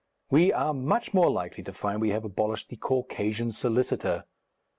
We are much more likely to find we have abolished the Caucasian solicitor.